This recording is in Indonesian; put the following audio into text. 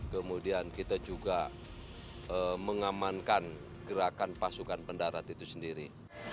kemudian kita juga mengamankan gerakan pasukan pendarat itu sendiri